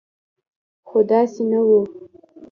خو داسې نه و.